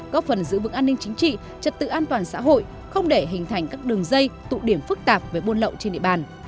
góp phần giữ vững an ninh chính trị trật tự an toàn xã hội không để hình thành các đường dây tụ điểm phức tạp về buôn lậu trên địa bàn